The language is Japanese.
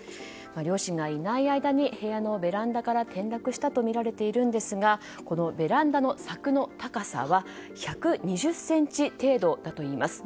両親がいない間に部屋のベランダから転落したとみられているんですがこのベランダの柵の高さは１２０ｃｍ程度だといいます。